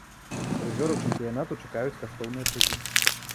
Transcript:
Прызёраў чэмпіянату чакаюць каштоўныя прызы.